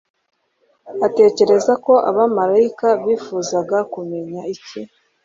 utekereza ko abamarayika bifuzaga kumenya iki